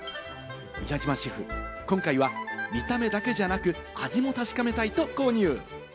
宮島シェフ、今回は見た目だけじゃなく、味も確かめたいと購入。